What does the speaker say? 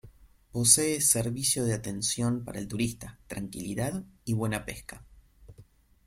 Posee servicio de atención para el turista, tranquilidad y buena pesca.